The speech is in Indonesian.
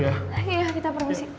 iya kita permisi